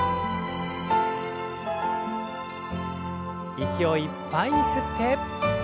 息をいっぱいに吸って。